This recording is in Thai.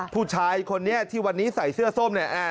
ผู้ชายคนนี้ที่วันนี้ใส่เสื้อส้มเนี่ย